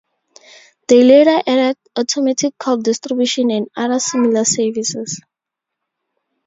They later added automatic call distribution and other similar services.